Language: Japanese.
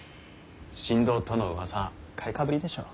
神童とのうわさ買いかぶりでしょう。